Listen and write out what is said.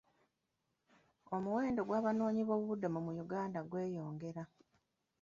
Omuwendo gw'abanoonyi b'obubuddamu mu Uganda gweyongera.